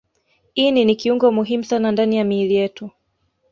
Ini ni kiungo muhimu sana ndani ya miili yetu